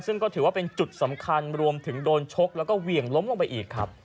ซึ่งก็ถือว่าเป็นจุดสำคัญรวมถึงโดนชกแล้วก็เหวี่ยงล้มลงไปอีกครับ